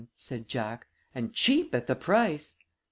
said Jack. "And cheap at the price."